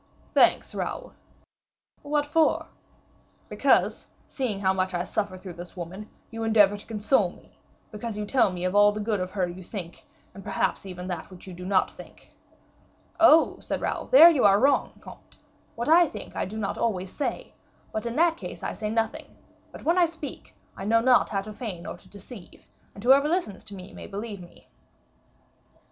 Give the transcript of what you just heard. "Thanks, Raoul." "What for?" "Because, seeing how much I suffer through this woman, you endeavor to console me, because you tell me all the good of her you think, and perhaps even that which you do not think." "Oh," said Raoul, "there you are wrong, comte; what I think I do not always say, but in that case I say nothing; but when I speak, I know not how to feign or to deceive; and whoever listens to me may believe me."